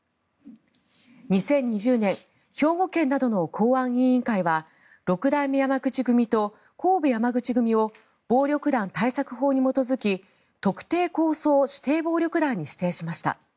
２０２０年兵庫県などの公安委員会は六代目山口組と神戸山口組を暴力団対策法に基づき特定抗争指定暴力団に指定しました。